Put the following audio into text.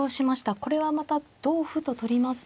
これはまた同歩と取りますと。